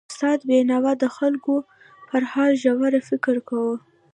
استاد بینوا د خلکو پر حالت ژور فکر کاوه.